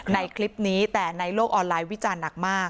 ในคลิปนี้แต่ในโลกออนไลน์วิจารณ์หนักมาก